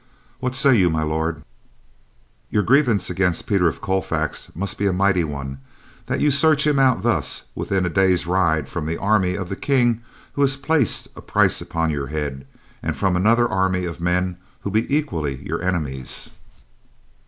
What say you, My Lord?" "Your grievance against Peter of Colfax must be a mighty one, that you search him out thus within a day's ride from the army of the King who has placed a price upon your head, and from another army of men who be equally your enemies."